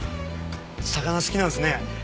魚好きなんですね。